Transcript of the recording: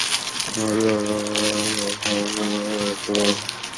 এটা ড্রপিয়রের সাথে লুকোচুরি খেলার মতোই।